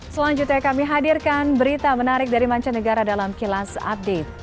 selanjutnya kami hadirkan berita menarik dari mancanegara dalam kilas update